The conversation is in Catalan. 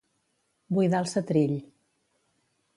Buidar el setrill.